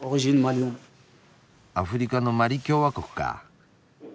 アフリカのマリ共和国かあ。